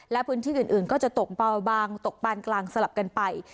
และพื้นที่อื่นก็จะตกเบาบางตกปานกลางสลับกันไป